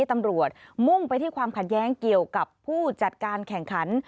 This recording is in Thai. ตำรวจมุ่งไปที่ความขัดแย้งเกี่ยวกับผู้จัดการแข่งขัน